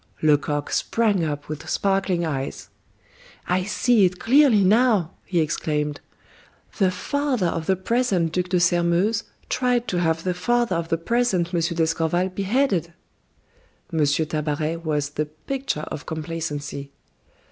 Lecoq sprang up with sparkling eyes. "I see it clearly now," he exclaimed. "The father of the present Duc de Sairmeuse tried to have the father of the present M. d'Escorval beheaded." M. Tabaret was the picture of complacency.